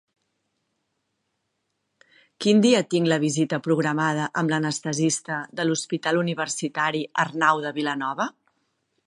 Quin dia tinc la visita programada amb l'anestesista de l'Hospital Universitari Arnau de Vilanova?